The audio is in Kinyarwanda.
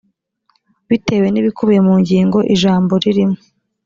bitewe n ibikubiye mu ngingo ijambo ririmo